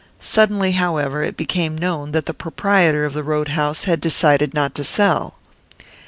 Suddenly, however, it became known that the proprietor of the road house had decided not to sell.